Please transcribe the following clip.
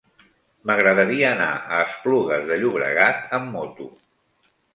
M'agradaria anar a Esplugues de Llobregat amb moto.